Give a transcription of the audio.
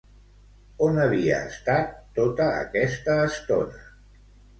On havia estat tota aquesta estona?